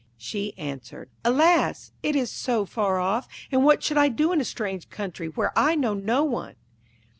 She answered: 'Alas! it is so far off, and what should I do in a strange country where I know no one?'